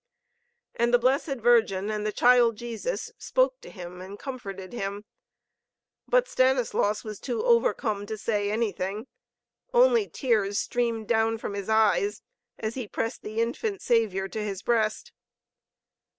And the Blessed Virgin and the Child Jesus spoke to him and comforted him. But Stanislaus was too overcome to say anything. Only tears streamed down from his eyes as he pressed the Infant Savior to his breast.